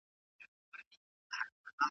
افغانستان د خپلو بچیانو په پوهه ودانېدای شي.